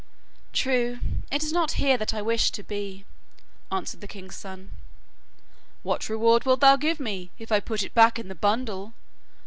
'True; it is not here that I wish to be,' answered the king's son. 'What reward wilt thou give me if I put it back in the bundle?